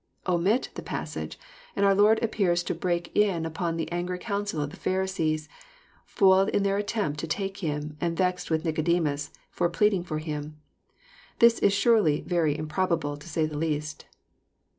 — Omit the passage, and our Lord appears to break in upon the angry council of the Phari sees, foiled In their attempt to take Him, and vexed with Nlco demus for pleading for Him. This is surely very improbable, to say the least.